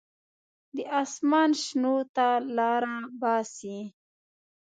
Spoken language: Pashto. د اسمان شنو ته لاره باسي.